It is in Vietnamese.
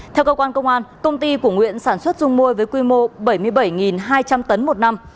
theo cơ quan công an công ty của nguyễn sản xuất dung môi với quy mô bảy mươi bảy hai trăm linh tấn một năm